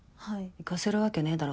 行かせるわけねぇだろ。